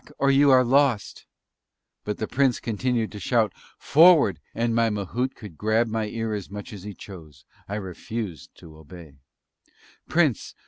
Back! or you are lost_!" But the Prince continued to shout "Forward!" And my Mahout could jab my ear as much as he chose I refused to obey! "Prince!